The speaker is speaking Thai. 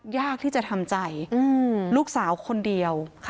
ยากที่จะทำใจลูกสาวคนเดียว